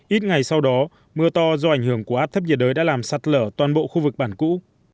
ít ngày sau đó mưa to do ảnh hưởng của áp thấp nhiệt đới đã làm sạt lở toàn bộ khu vực bản cũ